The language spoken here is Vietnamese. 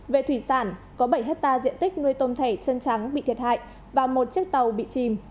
về thủy sản có bảy hectare diện tích nuôi tôm thẻ chân trắng bị thiệt hại và một chiếc tàu bị chìm